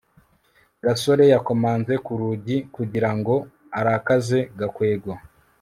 gasore yakomanze ku rugi kugira ngo arakaze gakwego